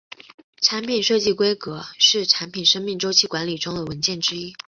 产品设计规格是产品生命周期管理中的文件之一。